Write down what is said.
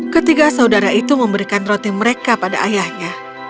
ketiga saudara itu memberikan roti mereka pada ayahnya